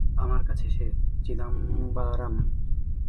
আমার কাছে, সে চিদাম্বারাম।